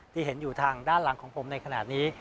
ที่เห็นอยู่ทางด้านหลังของผมในขณะนี้